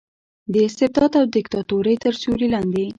د استبداد او دیکتاتورۍ تر سیورې لاندې